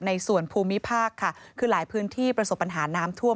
ในส่วนภูมิภาคค่ะคือหลายพื้นที่ประสบปัญหาน้ำท่วม